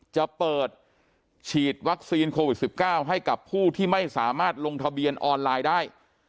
จะเปิดฉีดวัคซีนโควิด๑๙ให้กับผู้ที่ไม่สามารถลงทะเบียนออนไลน์ได้